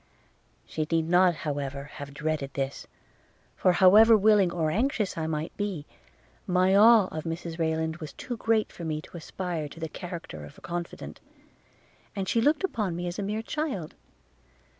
She need not, however, have dreaded this; for, however willing or anxious I might be, my awe of Mrs Rayland was too great for me to aspire to the character of her confident; and she looked upon me as a mere child.